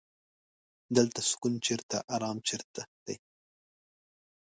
دلته سکون چرته ارام چرته دی.